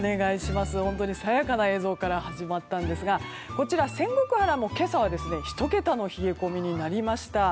本当に爽やかな映像から始まったんですがこちら、仙石原も今朝は１桁の冷え込みになりました。